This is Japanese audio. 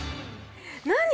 何？